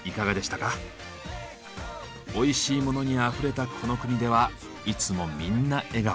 おいしいモノにあふれたこの国ではいつもみんな笑顔。